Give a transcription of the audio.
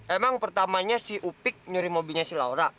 emang pertamanya si upik nyeri mobilnya si laura